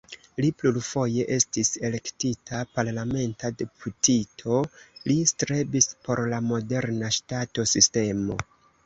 Li plurfoje estis elektita parlamenta deputito, li strebis por la moderna ŝtato-sistemo.